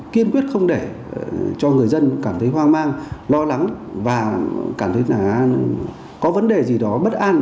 kiên quyết không để cho người dân cảm thấy hoang mang lo lắng và cảm thấy là có vấn đề gì đó bất an